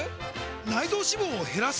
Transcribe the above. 内臓脂肪を減らす！？